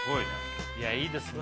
いやいいですね